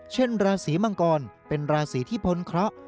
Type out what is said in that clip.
เช่นราศีมังกรเป็นราศีที่พ้นเคราะห์